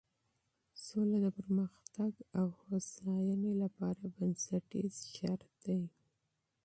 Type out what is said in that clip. سوله د پرمختګ او هوساینې لپاره بنسټیز شرط دی.